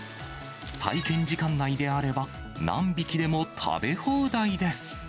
体験時間内であれば、何匹でも食べ放題です。